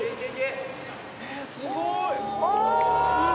「すごーい！」